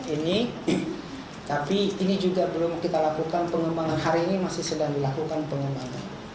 ini tapi ini juga belum kita lakukan pengembangan hari ini masih sedang dilakukan pengembangan